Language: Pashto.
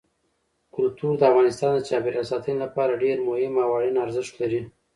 کلتور د افغانستان د چاپیریال ساتنې لپاره ډېر مهم او اړین ارزښت لري.